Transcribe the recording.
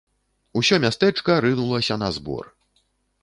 Усё мястэчка рынулася на збор.